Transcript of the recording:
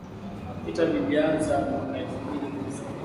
Vita vilianza mwaka elfu mbili kumi na mbili